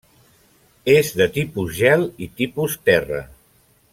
És de tipus gel i tipus terra.